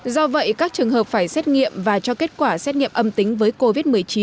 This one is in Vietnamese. do vậy các trường hợp phải xét nghiệm và cho kết quả xét nghiệm âm tính với covid một mươi chín